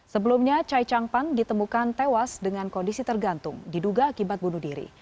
sebelumnya chai chang pan ditemukan tewas dengan kondisi tergantung diduga akibat bunuh diri